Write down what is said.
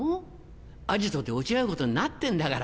アジトで落ち合うことになってんだから。